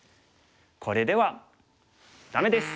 これではダメです。